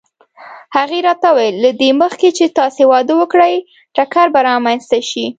هغې راته وویل: له دې مخکې چې تاسې واده وکړئ ټکر به رامنځته شي.